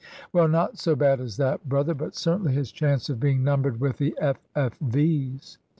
" Well, not so bad as that, brother ; but certainly his chance of being numbered with the F. F. V.'s.